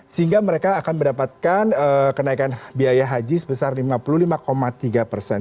sehingga mereka akan mendapatkan kenaikan biaya haji sebesar lima puluh lima tiga persen